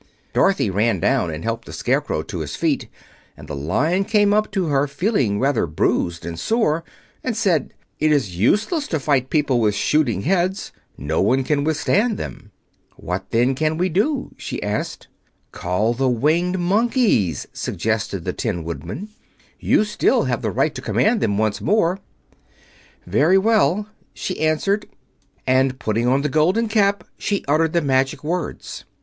Dorothy ran down and helped the Scarecrow to his feet, and the Lion came up to her, feeling rather bruised and sore, and said, "It is useless to fight people with shooting heads; no one can withstand them." "What can we do, then?" she asked. "Call the Winged Monkeys," suggested the Tin Woodman. "You have still the right to command them once more." "Very well," she answered, and putting on the Golden Cap she uttered the magic words.